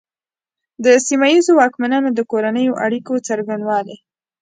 د سیمه ییزو واکمنانو د کورنیو اړیکو څرنګوالي.